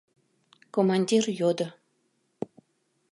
— командир йодо.